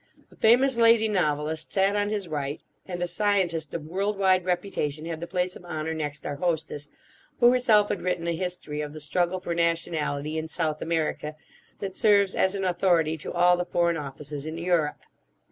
A famous lady novelist sat on his right, and a scientist of world wide reputation had the place of honour next our hostess, who herself had written a history of the struggle for nationality in South America that serves as an authority to all the Foreign Offices in Europe.